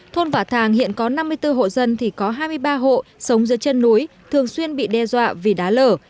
thôn vả thàng hiện có năm mươi bốn hộ dân thì có hai mươi ba hộ sống dưới chân núi thường xuyên bị đe dọa vì đá lở